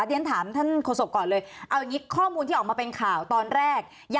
เรียนถามท่านโคศกก่อนเลยข้อมูลที่ออกมาเป็นข่าวตอนแรก